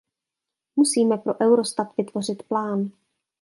Musíme pro Eurostat vytvořit plán.